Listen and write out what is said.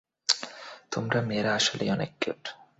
তোমরা মেয়েরা আসলেই অনেক কিউট!